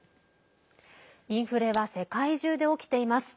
インフレは世界中で起きています。